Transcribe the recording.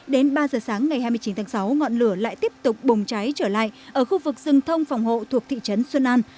đến ba giờ sáng ngày hai mươi chín tháng sáu ngọn lửa lại tiếp tục bùng cháy trở lại ở khu vực rừng thông phòng hộ thuộc thị trấn xuân an